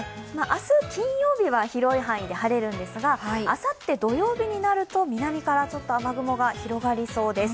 明日、金曜日は広い範囲で晴れるんですがあさって土曜日になると南から雨雲が広がりそうです。